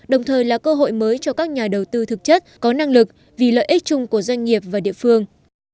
đồng thời là cơ hội mới cho các nhà đầu tư thực chất có năng lực vì lợi ích chung của doanh nghiệp và địa phương